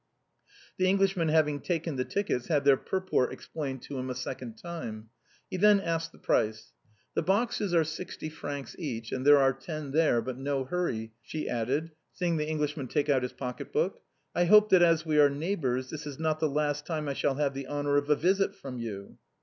The Englishman having taken the tickets, had their purport explained to him a second time ; he then asked the price. " The boxes are sixty francs each, and there are ten there; but no hurry," she added, seeing the Englishman take out his pocket book :" I hope that as we are neighbors, this is not the last time I shall have the honor of a visit from you."